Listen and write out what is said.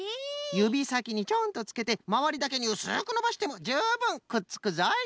ゆびさきにちょんとつけてまわりだけにうすくのばしてもじゅうぶんくっつくぞい！